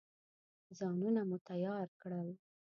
ځانونه مو تیار کړل.